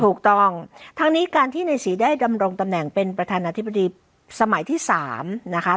ถูกต้องทั้งนี้การที่ในศรีได้ดำรงตำแหน่งเป็นประธานาธิบดีสมัยที่๓นะคะ